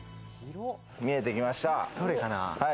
見えてきました。